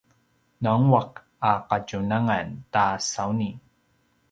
nangeaq a kadjunangan ta sauni